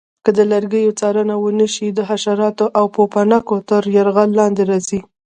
که د لرګیو څارنه ونه شي د حشراتو او پوپنکو تر یرغل لاندې راځي.